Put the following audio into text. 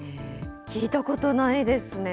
聞いたことないですね。